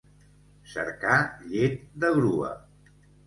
Cercar llet de grua.